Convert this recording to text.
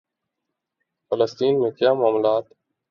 فلسطین میں کیا ملالائیں موجود نہیں کیا وہ کچھ نہیں لکھ سکتیں